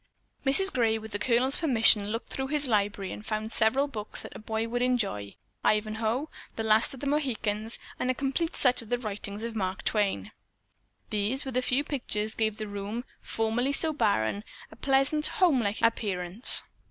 Mrs. Gray, with the Colonel's permission, looked through his library and found several books that a boy would enjoy, "Ivanhoe," "The Last of the Mohicans," and a complete set of the writings of Mark Twain. These, with a few pictures, gave the room, formerly so barren, a pleasant, home like appearance.